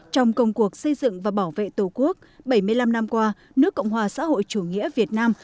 trong công cuộc xây dựng và bảo vệ tổ quốc bảy mươi năm năm qua nước cộng hòa xã hội chủ nghĩa việt nam